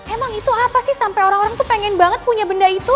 emang itu apa sih sampai orang orang tuh pengen banget punya benda itu